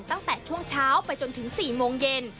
ตั้งแต่ช่วงเช้าไปจนถึง๔โมงเย็น